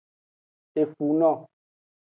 Efuno.